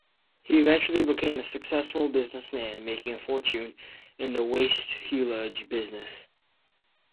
He eventually became a successful businessman, making a fortune in the waste-haulage business.